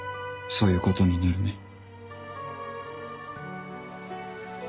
そういうことになるね。